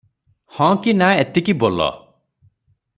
'ହଁ' କି 'ନା' ଏତିକି ବୋଲ ।